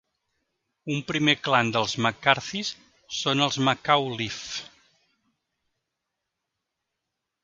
Un primer clan dels MacCarthys són els MacAuliffes.